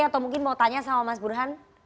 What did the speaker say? atau mungkin mau tanya sama mas burhan